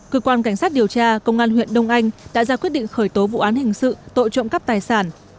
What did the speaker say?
cơ quan cảnh sát điều tra công an huyện đông anh đã ra quyết định khởi tố vụ án hình sự tội trộm cắp tài sản